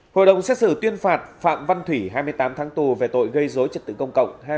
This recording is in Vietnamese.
hội đồng xét xử tuyên phạt phạm văn thủy hai mươi tám tháng tù về tội gây dối trật tự công cộng